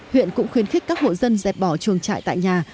huyện cũng khuyến khích các hộ dân dẹp bỏ chuồng trại tại nhà